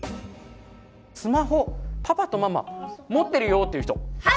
スマホパパとママ持ってるよっていう人。